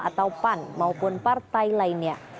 atau pan maupun partai lainnya